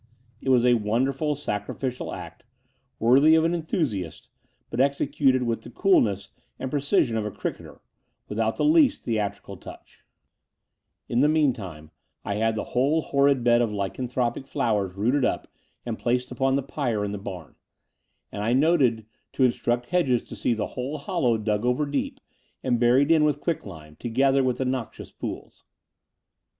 It was a wonderful sacrificial act, worthy of an en thusiast, but executed with the coolness and pre cision of a cricketer, without the least theatrical touch. 298 The Door of the Unreal In the meantime I had had the whole horrid bed of lycanthropic flowers rooted up and placed upon the pyre in the bam; and I noted to instruct Hedges to see the whole hollow dug over deep, and buried in with quick lime, together with the noxious pools.